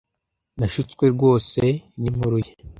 Nashutswe rwose ninkuru ye.